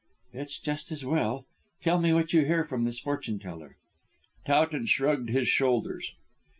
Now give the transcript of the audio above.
"It's just as well. Tell me what you hear from this fortune teller." Towton shrugged his shoulders.